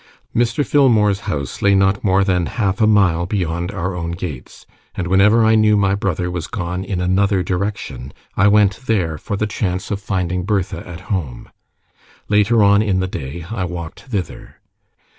Mr. Filmore's house lay not more than half a mile beyond our own gates, and whenever I knew my brother was gone in another direction, I went there for the chance of finding Bertha at home. Later on in the day I walked thither.